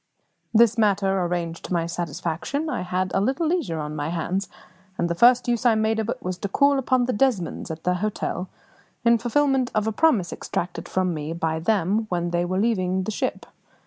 This matter arranged to my satisfaction, I had a little leisure on my hands; and the first use I made of it was to call upon the Desmonds at their hotel, in fulfilment of a promise extracted from me by them when they were leaving the ship.